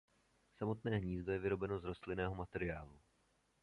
Samotné hnízdo je vyrobeno z rostlinného materiálu.